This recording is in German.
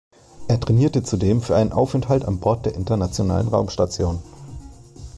Er trainierte zudem für einen Aufenthalt an Bord der Internationalen Raumstation.